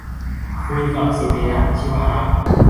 คุยกับ สุรีย์รัตน์ ชิวารักษ์